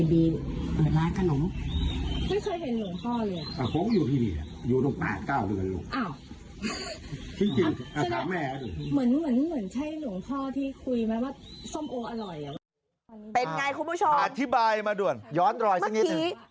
เป็นไงคุณผู้ชมอธิบายมาด่วนย้อนรอยสักนิดหนึ่ง